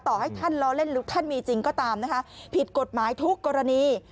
ต่อให้ท่านล้อเล่นหรือท่านมีจริงก็ตามนะคะผิดกฎหมายทุกกรณี